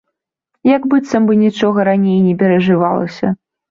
Як быццам бы нічога раней і не перажывалася.